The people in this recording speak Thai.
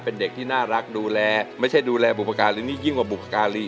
เป็นเด็กที่น่ารักดูแลไม่ใช่ดูแลบุพการหรือนี่ยิ่งกว่าบุพการี